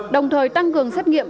đồng thời tăng cường xét nghiệm